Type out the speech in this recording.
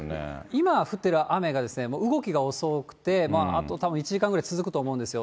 今、降っている雨が動きが遅くて、あと、たぶん１時間ぐらい続くと思うんですよ。